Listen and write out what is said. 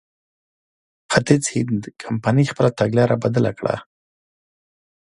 ختیځ هند کمپنۍ خپله تګلاره بدله کړه.